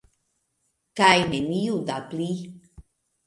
Kaj neniu da pli.